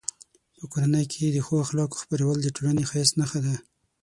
په کورنۍ کې د ښو اخلاقو خپرول د ټولنې د ښایست نښه ده.